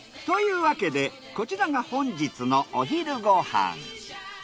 というわけでこちらが本日のお昼ご飯。